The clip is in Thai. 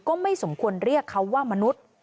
ก็ไม่สมควรเรียกเขาว่ามนุษย์